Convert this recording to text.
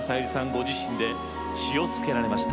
ご自身で詞をつけられました。